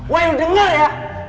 wah lo denger ya